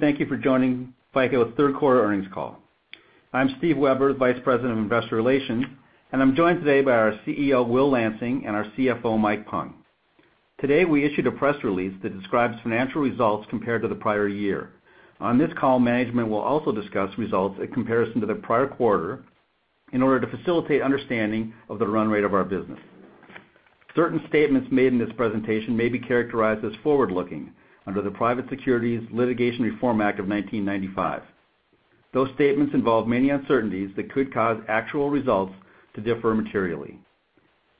Thank you for joining FICO third quarter earnings call. I'm Steve Weber, Vice President of Investor Relations, and I'm joined today by our CEO, Will Lansing, and our CFO, Mike Pung. Today, we issued a press release that describes financial results compared to the prior year. On this call, management will also discuss results in comparison to the prior quarter in order to facilitate understanding of the run rate of our business. Certain statements made in this presentation may be characterized as forward-looking under the Private Securities Litigation Reform Act of 1995. Those statements involve many uncertainties that could cause actual results to differ materially.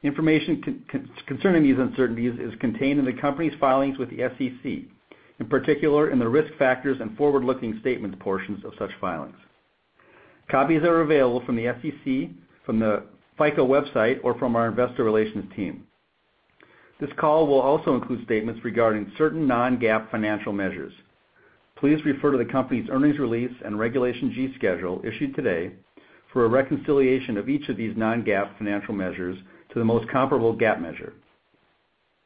Information concerning these uncertainties is contained in the company's filings with the SEC, in particular in the risk factors and forward-looking statement portions of such filings. Copies are available from the SEC, from the FICO website or from our investor relations team. This call will also include statements regarding certain non-GAAP financial measures. Please refer to the company's earnings release and Regulation G schedule issued today for a reconciliation of each of these non-GAAP financial measures to the most comparable GAAP measure.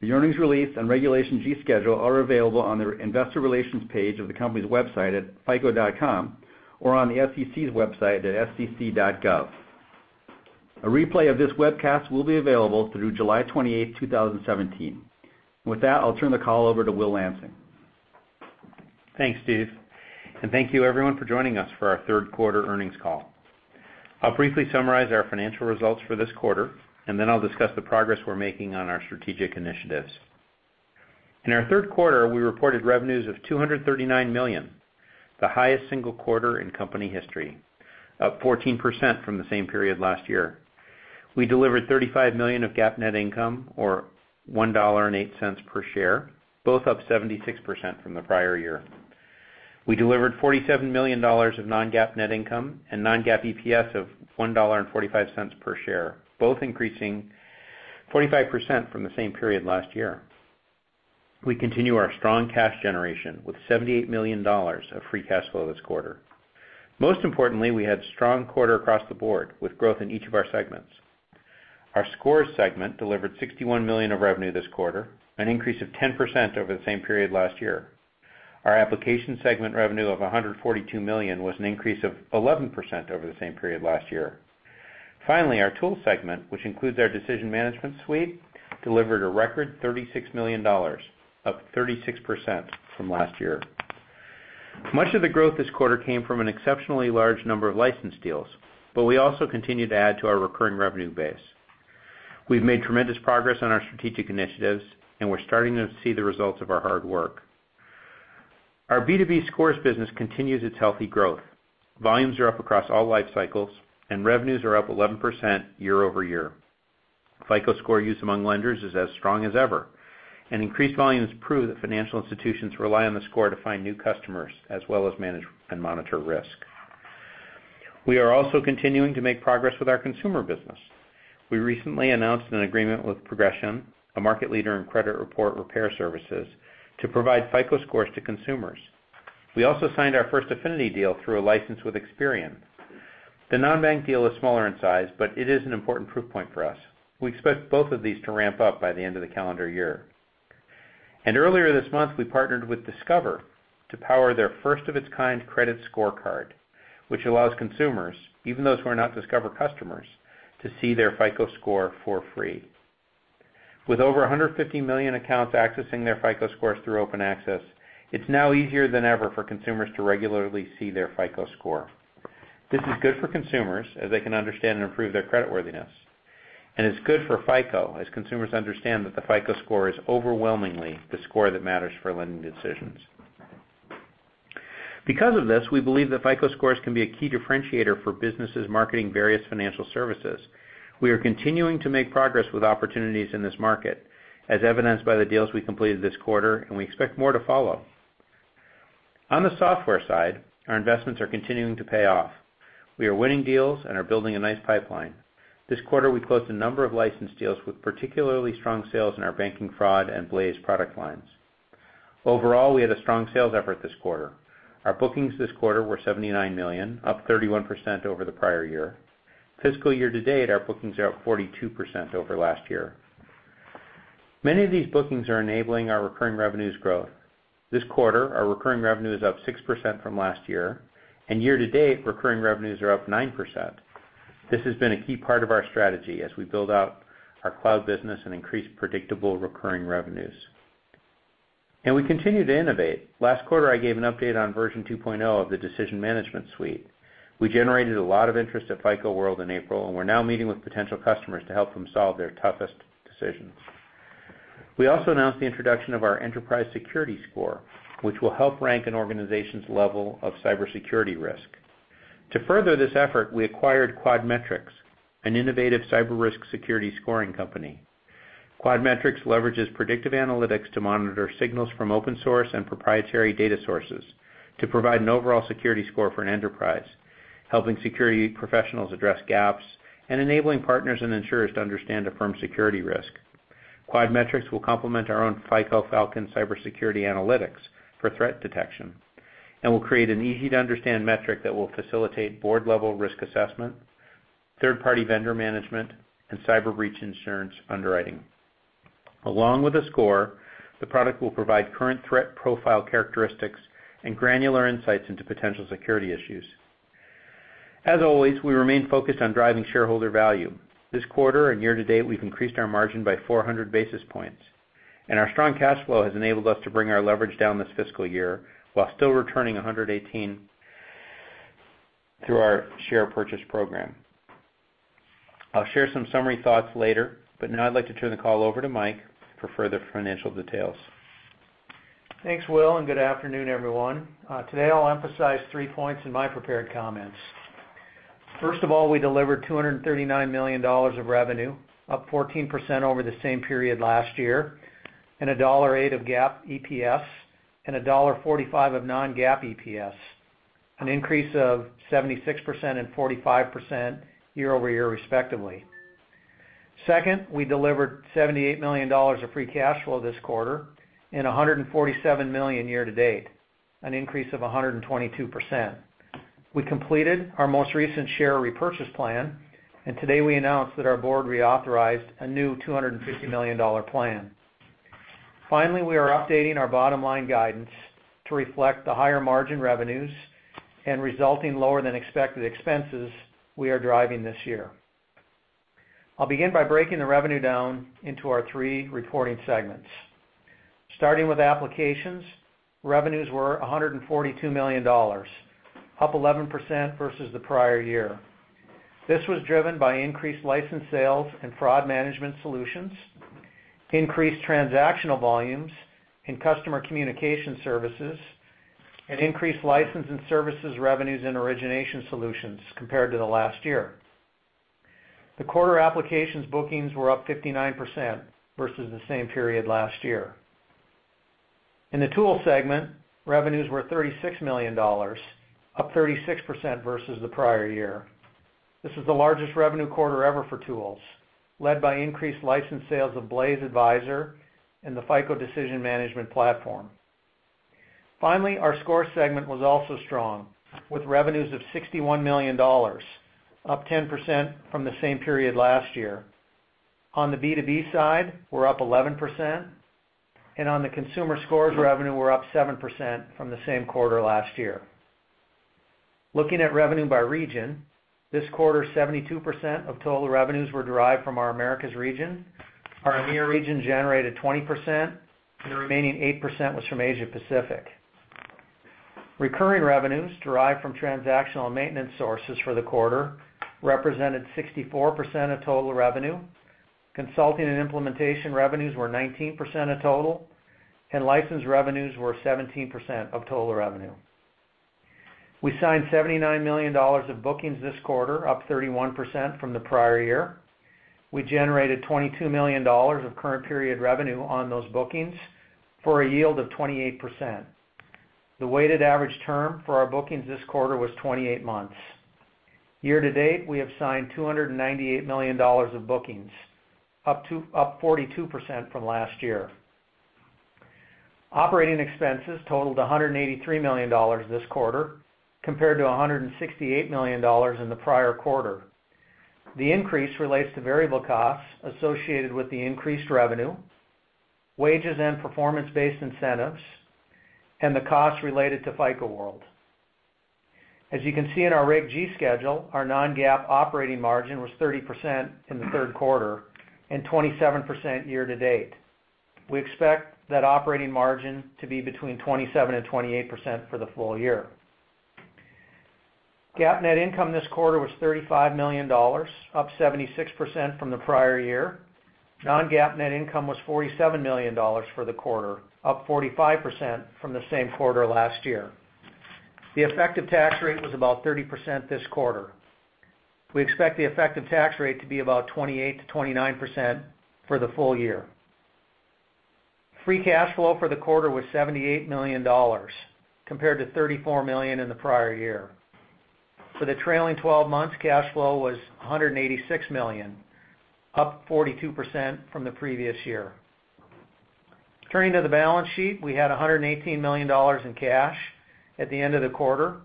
The earnings release and Regulation G schedule are available on the investor relations page of the company's website at fico.com or on the SEC's website at sec.gov. A replay of this webcast will be available through July 28th, 2017. With that, I'll turn the call over to Will Lansing. Thanks, Steve, thank you everyone for joining us for our third quarter earnings call. I'll briefly summarize our financial results for this quarter, I'll discuss the progress we're making on our strategic initiatives. In our third quarter, we reported revenues of $239 million, the highest single quarter in company history, up 14% from the same period last year. We delivered $35 million of GAAP net income or $1.08 per share, both up 76% from the prior year. We delivered $47 million of non-GAAP net income and non-GAAP EPS of $1.45 per share, both increasing 45% from the same period last year. We continue our strong cash generation with $78 million of free cash flow this quarter. Most importantly, we had strong quarter across the board with growth in each of our segments. Our Scores Segment delivered $61 million of revenue this quarter, an increase of 10% over the same period last year. Our Applications Segment revenue of $142 million was an increase of 11% over the same period last year. Finally, our Tools Segment, which includes our Decision Management Suite, delivered a record $36 million, up 36% from last year. Much of the growth this quarter came from an exceptionally large number of license deals, we also continue to add to our recurring revenue base. We've made tremendous progress on our strategic initiatives, we're starting to see the results of our hard work. Our B2B Scores business continues its healthy growth. Volumes are up across all life cycles revenues are up 11% year-over-year. FICO Score use among lenders is as strong as ever, increased volumes prove that financial institutions rely on the score to find new customers as well as manage and monitor risk. We are also continuing to make progress with our consumer business. We recently announced an agreement with Progrexion, a market leader in credit report repair services, to provide FICO Scores to consumers. We also signed our first affinity deal through a license with Experian. The non-bank deal is smaller in size, but it is an important proof point for us. We expect both of these to ramp up by the end of the calendar year. Earlier this month, we partnered with Discover to power their first-of-its-kind Credit Scorecard, which allows consumers, even those who are not Discover customers, to see their FICO Score for free. With over 150 million accounts accessing their FICO Scores through Open Access, it's now easier than ever for consumers to regularly see their FICO Score. This is good for consumers as they can understand and improve their credit worthiness. It's good for FICO as consumers understand that the FICO Score is overwhelmingly the score that matters for lending decisions. Because of this, we believe that FICO Scores can be a key differentiator for businesses marketing various financial services. We are continuing to make progress with opportunities in this market, as evidenced by the deals we completed this quarter, and we expect more to follow. On the software side, our investments are continuing to pay off. We are winning deals and are building a nice pipeline. This quarter, we closed a number of license deals with particularly strong sales in our banking fraud and Blaze product lines. Overall, we had a strong sales effort this quarter. Our bookings this quarter were $79 million, up 31% over the prior year. Fiscal year to date, our bookings are up 42% over last year. Many of these bookings are enabling our recurring revenues growth. This quarter, our recurring revenue is up 6% from last year to date, recurring revenues are up 9%. This has been a key part of our strategy as we build out our cloud business and increase predictable recurring revenues. We continue to innovate. Last quarter, I gave an update on version 2.0 of the Decision Management Suite. We generated a lot of interest at FICO World in April, and we're now meeting with potential customers to help them solve their toughest decisions. We also announced the introduction of our Enterprise Security Score, which will help rank an organization's level of cybersecurity risk. To further this effort, we acquired QuadMetrics, an innovative cyber risk security scoring company. QuadMetrics leverages predictive analytics to monitor signals from open source and proprietary data sources to provide an overall security score for an enterprise, helping security professionals address gaps and enabling partners and insurers to understand a firm security risk. QuadMetrics will complement our own FICO Falcon Cybersecurity Analytics for threat detection and will create an easy-to-understand metric that will facilitate board-level risk assessment, third-party vendor management, and cyber breach insurance underwriting. Along with the score, the product will provide current threat profile characteristics and granular insights into potential security issues. As always, we remain focused on driving shareholder value. This quarter and year-to-date, we've increased our margin by 400 basis points, and our strong cash flow has enabled us to bring our leverage down this fiscal year while still returning $118 through our share purchase program. I'll share some summary thoughts later. Now I'd like to turn the call over to Mike Pung for further financial details. Thanks, Will Lansing. Good afternoon, everyone. Today, I'll emphasize three points in my prepared comments. First of all, we delivered $239 million of revenue, up 14% over the same period last year, and $1.08 of GAAP EPS, and $1.45 of non-GAAP EPS, an increase of 76% and 45% year-over-year, respectively. Second, we delivered $78 million of free cash flow this quarter and $147 million year-to-date, an increase of 122%. We completed our most recent share repurchase plan. Today we announced that our board reauthorized a new $250 million plan. Finally, we are updating our bottom line guidance to reflect the higher margin revenues and resulting lower than expected expenses we are driving this year. I'll begin by breaking the revenue down into our three reporting segments. Starting with applications, revenues were $142 million, up 11% versus the prior year. This was driven by increased license sales and fraud management solutions, increased transactional volumes in customer communication services, and increased license and services revenues in origination solutions compared to the last year. The quarter applications bookings were up 59% versus the same period last year. In the tools segment, revenues were $36 million, up 36% versus the prior year. This is the largest revenue quarter ever for tools, led by increased license sales of Blaze Advisor and the FICO Decision Management Platform. Finally, our score segment was also strong, with revenues of $61 million, up 10% from the same period last year. On the B2B side, we're up 11%, and on the consumer scores revenue, we're up 7% from the same quarter last year. Looking at revenue by region, this quarter, 72% of total revenues were derived from our Americas region. Our EMEA region generated 20%, and the remaining 8% was from Asia Pacific. Recurring revenues derived from transactional maintenance sources for the quarter represented 64% of total revenue. Consulting and implementation revenues were 19% of total, and license revenues were 17% of total revenue. We signed $79 million of bookings this quarter, up 31% from the prior year. We generated $22 million of current period revenue on those bookings for a yield of 28%. The weighted average term for our bookings this quarter was 28 months. Year-to-date, we have signed $298 million of bookings, up 42% from last year. Operating expenses totaled $183 million this quarter, compared to $168 million in the prior quarter. The increase relates to variable costs associated with the increased revenue, wages and performance-based incentives, and the costs related to FICO World. As you can see in our Reg G schedule, our non-GAAP operating margin was 30% in the third quarter and 27% year to date. We expect that operating margin to be between 27%-28% for the full year. GAAP net income this quarter was $35 million, up 76% from the prior year. Non-GAAP net income was $47 million for the quarter, up 45% from the same quarter last year. The effective tax rate was about 30% this quarter. We expect the effective tax rate to be about 28%-29% for the full year. Free cash flow for the quarter was $78 million, compared to $34 million in the prior year. For the trailing 12 months, cash flow was $186 million, up 42% from the previous year. Turning to the balance sheet, we had $118 million in cash at the end of the quarter.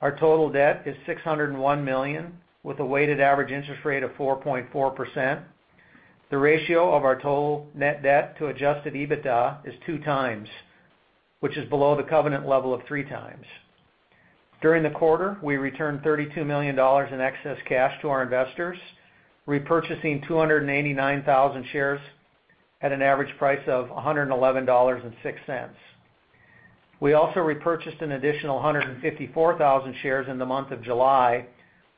Our total debt is $601 million, with a weighted average interest rate of 4.4%. The ratio of our total net debt to adjusted EBITDA is two times, which is below the covenant level of three times. During the quarter, we returned $32 million in excess cash to our investors, repurchasing 289,000 shares at an average price of $111.06. We also repurchased an additional 154,000 shares in the month of July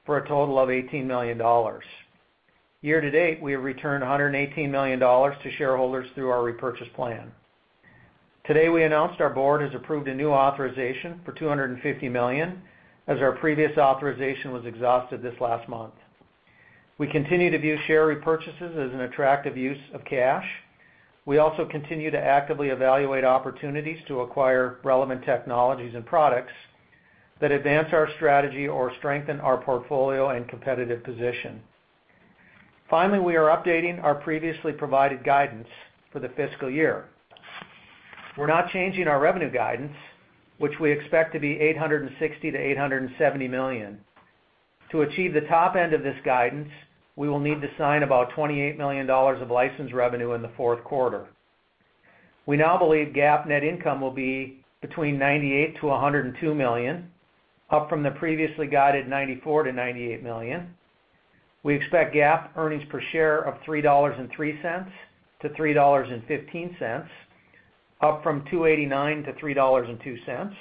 for a total of $18 million. Year to date, we have returned $118 million to shareholders through our repurchase plan. Today, we announced our board has approved a new authorization for $250 million as our previous authorization was exhausted this last month. We continue to view share repurchases as an attractive use of cash. We also continue to actively evaluate opportunities to acquire relevant technologies and products that advance our strategy or strengthen our portfolio and competitive position. We are updating our previously provided guidance for the fiscal year. We're not changing our revenue guidance, which we expect to be $860 million-$870 million. To achieve the top end of this guidance, we will need to sign about $28 million of license revenue in the fourth quarter. We now believe GAAP net income will be between $98 million-$102 million, up from the previously guided $94 million-$98 million. We expect GAAP earnings per share of $3.03-$3.15, up from $2.89-$3.02.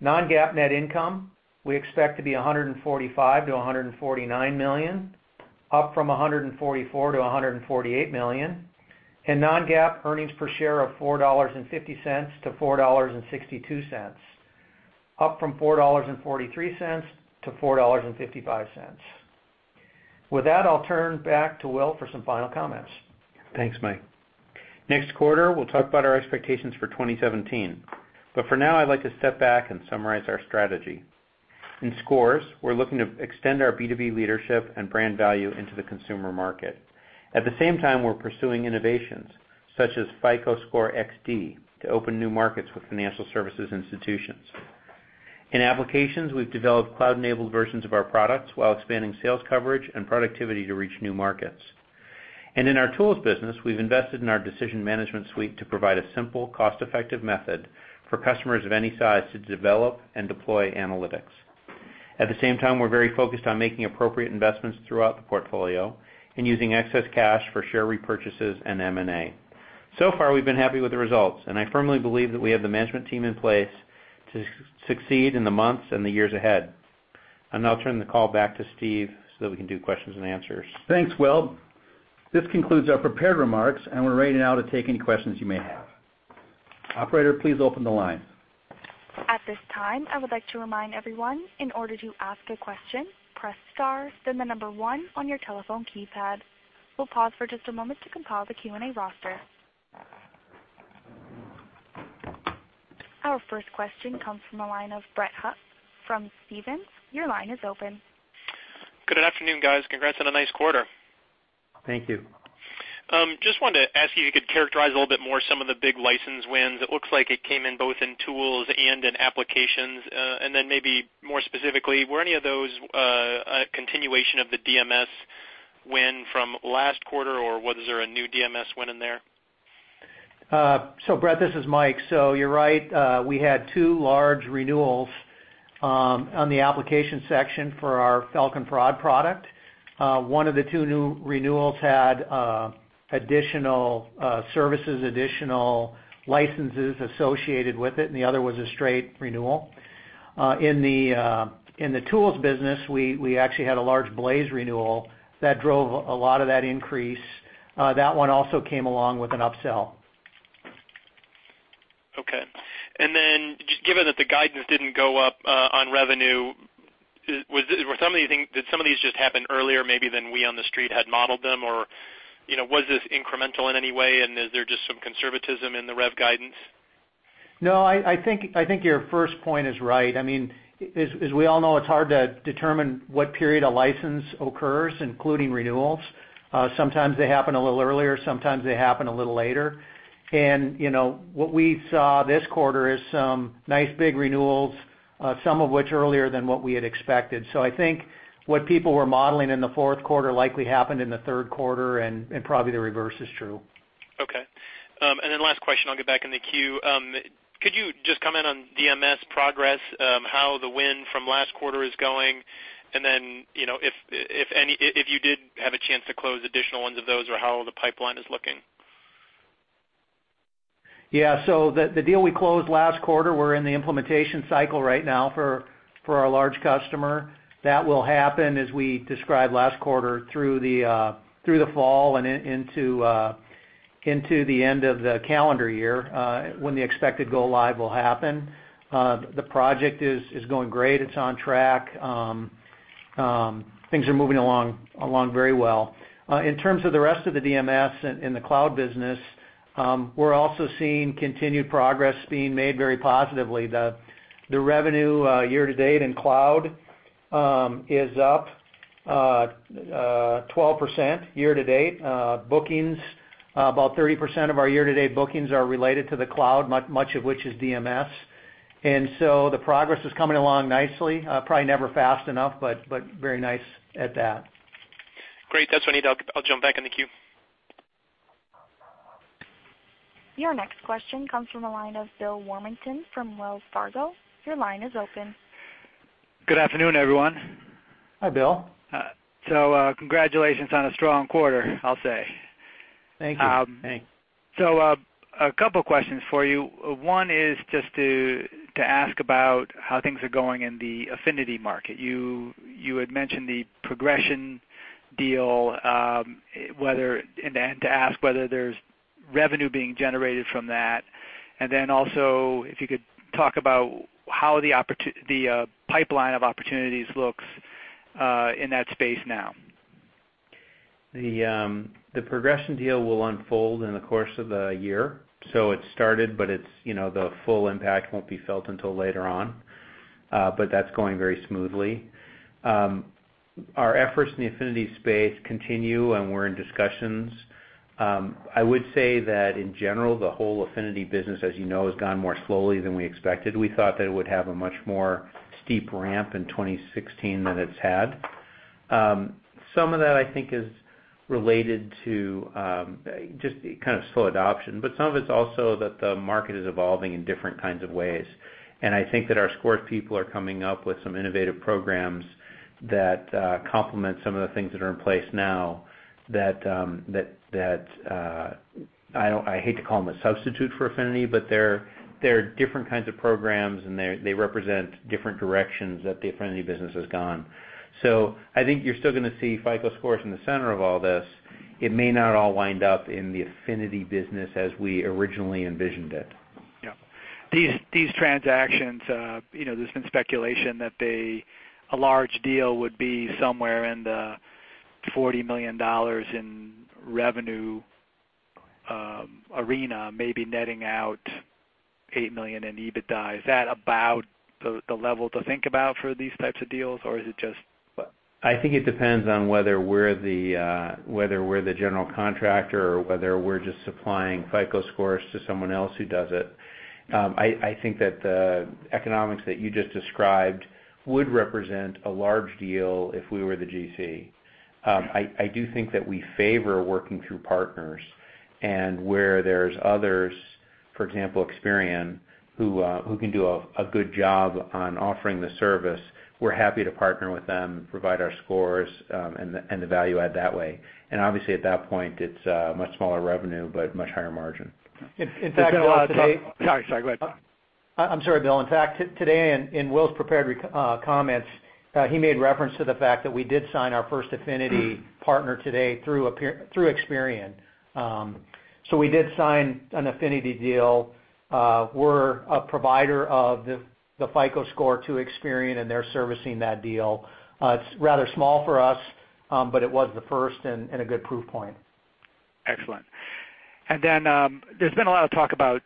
Non-GAAP net income, we expect to be $145 million-$149 million, up from $144 million-$148 million. Non-GAAP earnings per share of $4.50-$4.62, up from $4.43-$4.55. With that, I'll turn back to Will for some final comments. Thanks, Mike. Next quarter, we'll talk about our expectations for 2017. For now, I'd like to step back and summarize our strategy. In scores, we're looking to extend our B2B leadership and brand value into the consumer market. At the same time, we're pursuing innovations, such as FICO Score XD, to open new markets with financial services institutions. In applications, we've developed cloud-enabled versions of our products while expanding sales coverage and productivity to reach new markets. In our tools business, we've invested in our Decision Management Suite to provide a simple, cost-effective method for customers of any size to develop and deploy analytics. At the same time, we're very focused on making appropriate investments throughout the portfolio and using excess cash for share repurchases and M&A. So far, we've been happy with the results, and I firmly believe that we have the management team in place to succeed in the months and the years ahead. I'll now turn the call back to Steve so that we can do questions and answers. Thanks, Will. This concludes our prepared remarks, we're ready now to take any questions you may have. Operator, please open the line. At this time, I would like to remind everyone, in order to ask a question, press star, then the number one on your telephone keypad. We'll pause for just a moment to compile the Q&A roster. Our first question comes from the line of Brett Huff from Stephens. Your line is open. Good afternoon, guys. Congrats on a nice quarter. Thank you. Just wanted to ask you if you could characterize a little bit more some of the big license wins. It looks like it came in both in tools and in applications. Then maybe more specifically, were any of those a continuation of the DMS win from last quarter, or was there a new DMS win in there? Brett, this is Mike. You're right. We had two large renewals on the application section for our Falcon Fraud product. One of the two new renewals had additional services, additional licenses associated with it, and the other was a straight renewal. In the tools business, we actually had a large Blaze renewal that drove a lot of that increase. That one also came along with an upsell. Okay. Then just given that the guidance didn't go up on revenue, did some of these just happen earlier maybe than we on the street had modeled them, or was this incremental in any way, and is there just some conservatism in the rev guidance? No, I think your first point is right. As we all know, it's hard to determine what period a license occurs, including renewals. Sometimes they happen a little earlier, sometimes they happen a little later. What we saw this quarter is some nice big renewals, some of which earlier than what we had expected. I think what people were modeling in the fourth quarter likely happened in the third quarter, and probably the reverse is true. Okay. Last question, I'll get back in the queue. Could you just comment on DMS progress, how the win from last quarter is going, and then if you did have a chance to close additional ones of those or how the pipeline is looking? Yeah. The deal we closed last quarter, we're in the implementation cycle right now for our large customer. That will happen as we described last quarter through the fall and into the end of the calendar year, when the expected go live will happen. The project is going great. It's on track. Things are moving along very well. In terms of the rest of the DMS in the cloud business, we're also seeing continued progress being made very positively. The revenue year to date in cloud is up 12% year to date. Bookings, about 30% of our year to date bookings are related to the cloud, much of which is DMS. The progress is coming along nicely. Probably never fast enough, but very nice at that. Great. That's what I need. I'll jump back in the queue. Your next question comes from the line of Bill Warmington from Wells Fargo. Your line is open. Good afternoon, everyone. Hi, Bill. Congratulations on a strong quarter, I'll say. Thank you. Thanks. A couple of questions for you. One is just to ask about how things are going in the affinity market. You had mentioned the Progrexion deal and to ask whether there's revenue being generated from that. If you could talk about how the pipeline of opportunities looks in that space now. The Progrexion deal will unfold in the course of the year. It's started, but the full impact won't be felt until later on. That's going very smoothly. Our efforts in the affinity space continue, and we're in discussions. I would say that in general, the whole affinity business, as you know, has gone more slowly than we expected. We thought that it would have a much more steep ramp in 2016 than it's had. Some of that, I think, is related to just the kind of slow adoption, but some of it's also that the market is evolving in different kinds of ways. I think that our FICO Scores people are coming up with some innovative programs that complement some of the things that are in place now that, I hate to call them a substitute for affinity, but they're different kinds of programs, and they represent different directions that the affinity business has gone. I think you're still going to see FICO Scores in the center of all this. It may not all wind up in the affinity business as we originally envisioned it. Yeah. These transactions, there's been speculation that a large deal would be somewhere in the $40 million in revenue arena, maybe netting out $8 million in EBITDA. Is that about the level to think about for these types of deals, or is it just what? I think it depends on whether we're the general contractor or whether we're just supplying FICO scores to someone else who does it. I think that the economics that you just described would represent a large deal if we were the GC. I do think that we favor working through partners and where there's others, for example, Experian, who can do a good job on offering the service, we're happy to partner with them, provide our scores, and the value add that way. Obviously at that point, it's a much smaller revenue, but much higher margin. In fact, Bill, today. There's been a lot of talk. Sorry, go ahead. I'm sorry, Bill. In fact, today in Will's prepared comments, he made reference to the fact that we did sign our first affinity partner today through Experian. We did sign an affinity deal. We're a provider of the FICO Score to Experian, and they're servicing that deal. It's rather small for us, but it was the first and a good proof point. Excellent. There's been a lot of talk about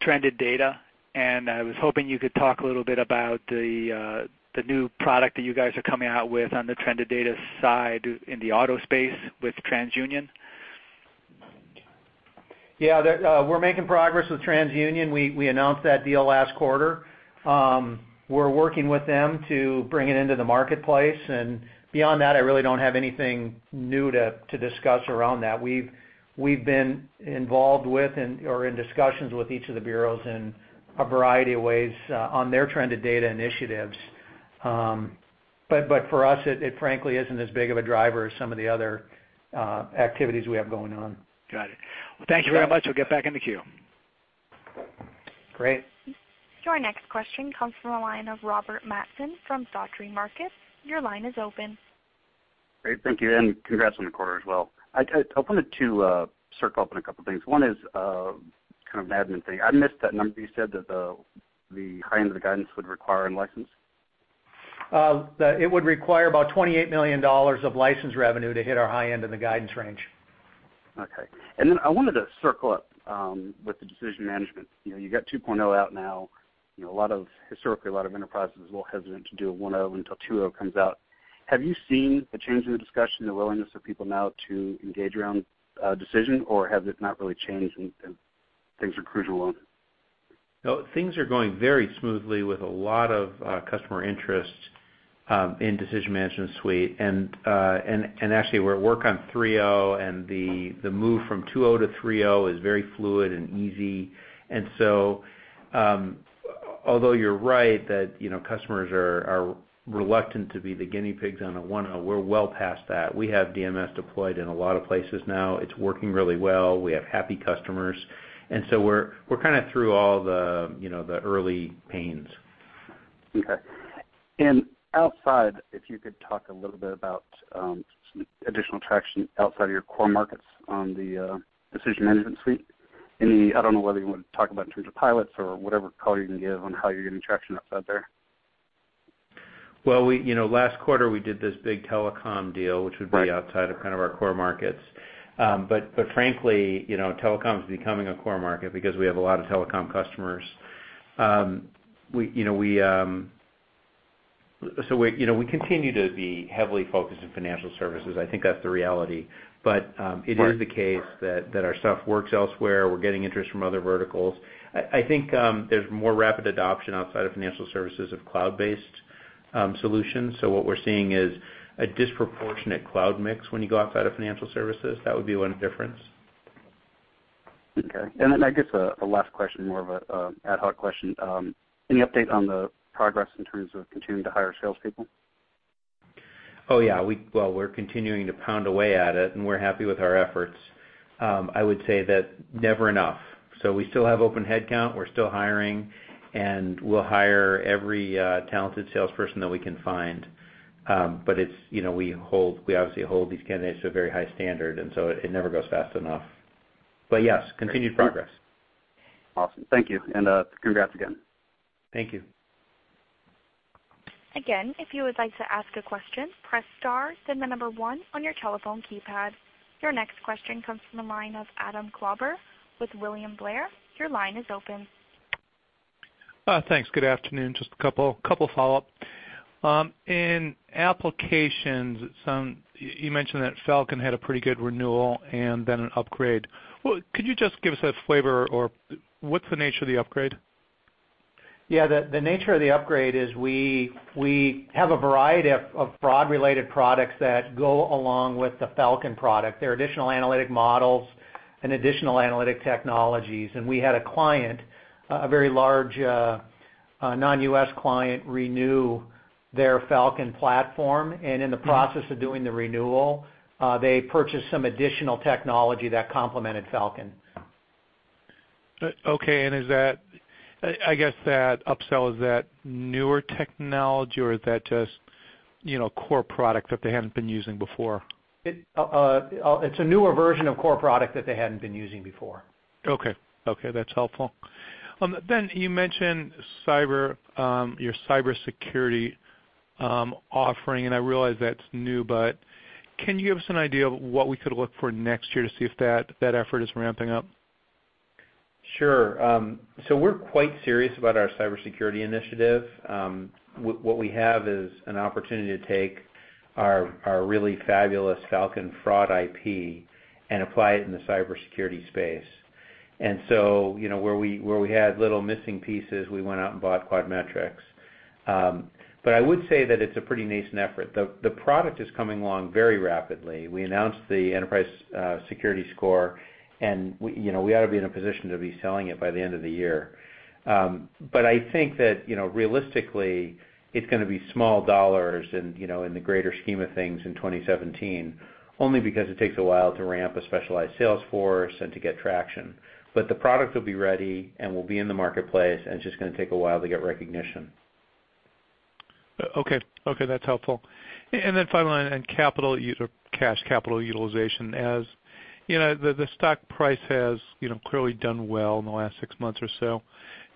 trended data, and I was hoping you could talk a little bit about the new product that you guys are coming out with on the trended data side in the auto space with TransUnion. Yeah, we're making progress with TransUnion. We announced that deal last quarter. We're working with them to bring it into the marketplace, beyond that, I really don't have anything new to discuss around that. We've been involved with or in discussions with each of the bureaus in a variety of ways on their trended data initiatives. For us, it frankly isn't as big of a driver as some of the other activities we have going on. Got it. Well, thank you very much. We'll get back in the queue. Great. Your next question comes from the line of Robert Mattson from Dougherty Markets. Your line is open. Great. Thank you. Congrats on the quarter as well. I wanted to circle up on a couple of things. One is kind of an admin thing. I missed that number. You said that the high end of the guidance would require in license? It would require about $28 million of license revenue to hit our high end of the guidance range. Okay. I wanted to circle up with the Decision Management. You got 2.0 out now. Historically, a lot of enterprises were hesitant to do a 1.0 until 2.0 comes out. Have you seen a change in the discussion, the willingness of people now to engage around decision, or has it not really changed and things are cruising along? No, things are going very smoothly with a lot of customer interest in Decision Management Suite. Actually, we're at work on 3.0, and the move from 2.0 to 3.0 is very fluid and easy. Although you're right that customers are reluctant to be the guinea pigs on a 1.0, we're well past that. We have DMS deployed in a lot of places now. It's working really well. We have happy customers. We're kind of through all the early pains. Okay. Outside, if you could talk a little bit about some additional traction outside of your core markets on the Decision Management Suite. I don't know whether you want to talk about in terms of pilots or whatever color you can give on how you're getting traction outside there? Well, last quarter, we did this big telecom deal. Right which would be outside of kind of our core markets. Frankly, telecom's becoming a core market because we have a lot of telecom customers. We continue to be heavily focused in financial services. I think that's the reality. It is the case that our stuff works elsewhere. We're getting interest from other verticals. I think there's more rapid adoption outside of financial services of cloud-based solutions. What we're seeing is a disproportionate cloud mix when you go outside of financial services. That would be one difference. Okay. I guess a last question, more of an ad hoc question. Any update on the progress in terms of continuing to hire salespeople? Oh, yeah. Well, we're continuing to pound away at it. We're happy with our efforts. I would say that never enough. We still have open headcount. We're still hiring. We'll hire every talented salesperson that we can find. We obviously hold these candidates to a very high standard. It never goes fast enough. Yes, continued progress. Awesome. Thank you. Congrats again. Thank you. Again, if you would like to ask a question, press star then 1 on your telephone keypad. Your next question comes from the line of Adam Klauber with William Blair. Your line is open. Thanks. Good afternoon. Just a couple follow-up. In applications, you mentioned that Falcon had a pretty good renewal and then an upgrade. Could you just give us a flavor, or what's the nature of the upgrade? Yeah. The nature of the upgrade is we have a variety of fraud-related products that go along with the Falcon product. They're additional analytic models and additional analytic technologies. We had a client, a very large non-U.S. client, renew their Falcon platform. In the process of doing the renewal, they purchased some additional technology that complemented Falcon. Okay. I guess that upsell, is that newer technology, or is that just core product that they hadn't been using before? It's a newer version of core product that they hadn't been using before. Okay. That's helpful. You mentioned your cybersecurity offering, and I realize that's new, but can you give us an idea of what we could look for next year to see if that effort is ramping up? Sure. We're quite serious about our cybersecurity initiative. What we have is an opportunity to take our really fabulous Falcon fraud IP and apply it in the cybersecurity space. Where we had little missing pieces, we went out and bought QuadMetrics. I would say that it's a pretty nascent effort. The product is coming along very rapidly. We announced the Enterprise Security Score, and we ought to be in a position to be selling it by the end of the year. I think that realistically, it's going to be small dollars in the greater scheme of things in 2017, only because it takes a while to ramp a specialized sales force and to get traction. The product will be ready, and will be in the marketplace, and it's just going to take a while to get recognition. Okay. That's helpful. Finally, on cash capital utilization. The stock price has clearly done well in the last six months or so.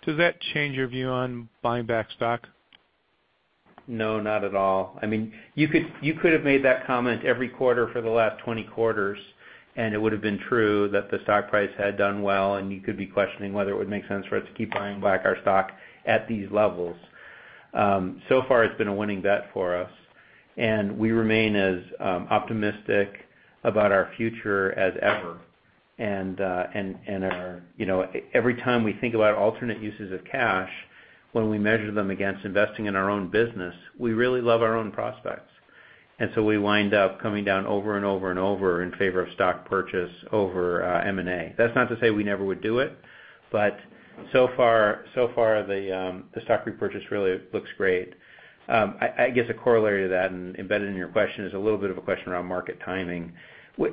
Does that change your view on buying back stock? No, not at all. You could've made that comment every quarter for the last 20 quarters, and it would've been true that the stock price had done well, and you could be questioning whether it would make sense for us to keep buying back our stock at these levels. Far it's been a winning bet for us, and we remain as optimistic about our future as ever. Every time we think about alternate uses of cash, when we measure them against investing in our own business, we really love our own prospects. We wind up coming down over and over and over in favor of stock purchase over M&A. That's not to say we never would do it, but so far the stock repurchase really looks great. I guess a corollary to that, and embedded in your question, is a little bit of a question around market timing.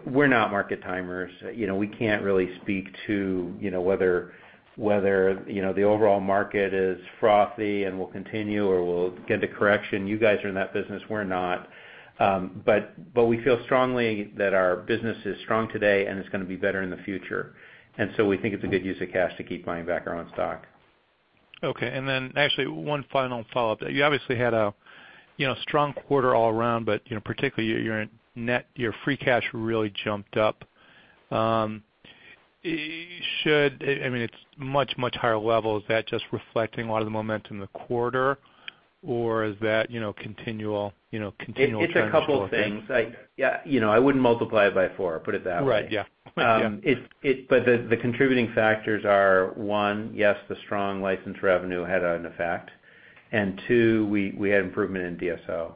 We're not market timers. We can't really speak to whether the overall market is frothy and will continue, or will get a correction. You guys are in that business. We're not. We feel strongly that our business is strong today, and it's going to be better in the future. We think it's a good use of cash to keep buying back our own stock. Okay, actually one final follow-up. You obviously had a strong quarter all around, but particularly your free cash really jumped up. It's much higher levels. Is that just reflecting a lot of the momentum in the quarter, or is that continual trends going forward? It's a couple things. I wouldn't multiply it by four, put it that way. Right. Yeah. The contributing factors are, one, yes, the strong license revenue had an effect, and two, we had improvement in DSO.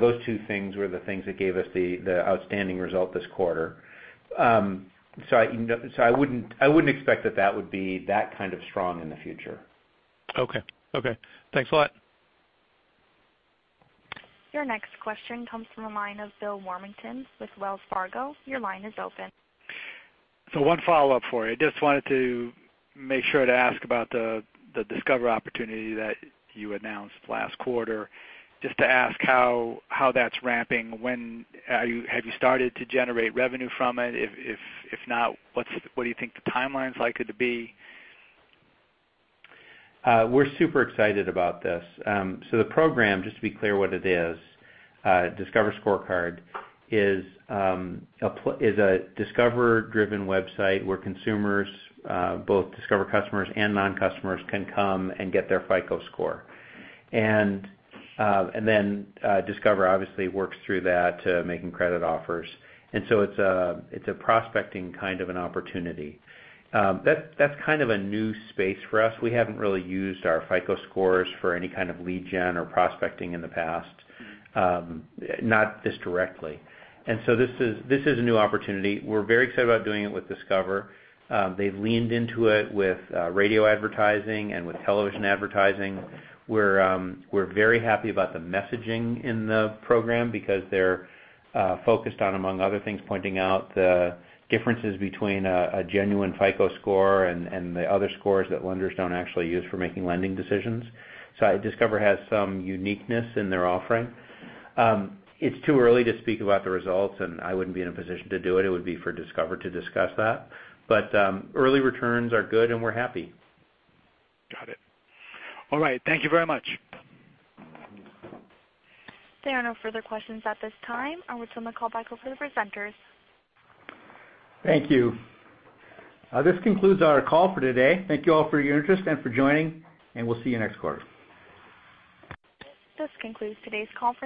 Those two things were the things that gave us the outstanding result this quarter. I wouldn't expect that that would be that kind of strong in the future. Okay. Thanks a lot. Your next question comes from the line of Bill Warmington with Wells Fargo. Your line is open. One follow-up for you. I just wanted to make sure to ask about the Discover opportunity that you announced last quarter, just to ask how that's ramping. Have you started to generate revenue from it? If not, what do you think the timeline's likely to be? We're super excited about this. The program, just to be clear what it is, Discover Scorecard, is a Discover-driven website where consumers, both Discover customers and non-customers, can come and get their FICO Score. Discover obviously works through that, making credit offers. It's a prospecting kind of an opportunity. That's kind of a new space for us. We haven't really used our FICO Scores for any kind of lead gen or prospecting in the past, not this directly. This is a new opportunity. We're very excited about doing it with Discover. They've leaned into it with radio advertising and with television advertising. We're very happy about the messaging in the program because they're focused on, among other things, pointing out the differences between a genuine FICO Score and the other scores that lenders don't actually use for making lending decisions. Discover has some uniqueness in their offering. It's too early to speak about the results, and I wouldn't be in a position to do it. It would be for Discover to discuss that. Early returns are good, and we're happy. Got it. All right. Thank you very much. There are no further questions at this time. I will turn the call back over to the presenters. Thank you. This concludes our call for today. Thank you all for your interest and for joining. We'll see you next quarter. This concludes today's conference.